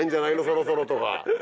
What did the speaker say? そろそろとか。